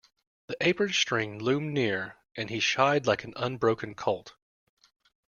The apron string loomed near and he shied like an unbroken colt.